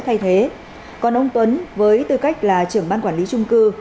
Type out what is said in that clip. thay thế còn ông tuấn với tư cách là trưởng ban quản lý trung cư